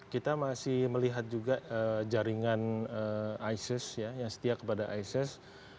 kita masih melihat juga jaringan isis yang setia kepada isis